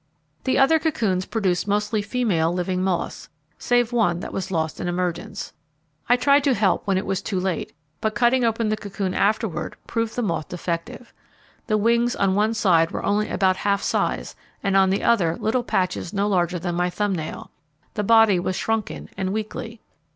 The other cocoons produced mostly female living moths, save one that was lost in emergence. I tried to help when it was too late; but cutting open the cocoon afterward proved the moth defective. The wings on one side were only about half size, and on the other little patches no larger than my thumb nail. The body was shrunken and weakly.